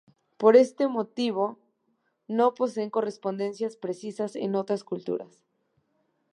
Por este motivo, no poseen correspondencias precisas en otras culturas.